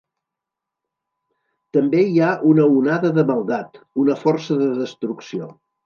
També hi ha una onada de maldat, una força de destrucció.